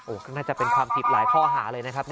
ก็น่าจะเป็นความผิดหลายข้อหาเลยนะครับ